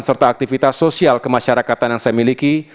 serta aktivitas sosial kemasyarakatan yang saya miliki